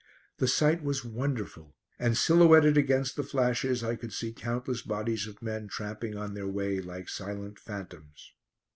The sight was wonderful, and silhouetted against the flashes I could see countless bodies of men tramping on their way like silent phantoms.